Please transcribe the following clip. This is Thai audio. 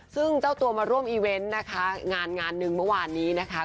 ซึ่งเจ้าตัวมาร่วมอีเวนต์นะคะงานงานหนึ่งเมื่อวานนี้นะคะ